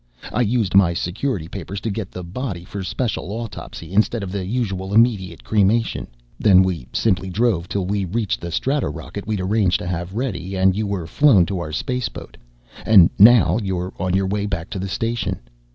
I used my Security papers to get the body for special autopsy instead of the usual immediate cremation. Then we simply drove till we reached the stratorocket we'd arranged to have ready, and you were flown to our spaceboat, and now you're on the way back to the station.